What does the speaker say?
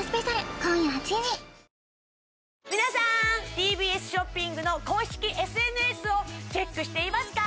ＴＢＳショッピングの公式ＳＮＳをチェックしていますか？